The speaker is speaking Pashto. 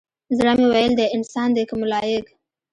زړه مې ويل دى انسان دى كه ملايك؟